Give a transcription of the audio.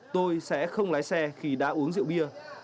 tôi sẽ không lái xe khi đã uống rượu bia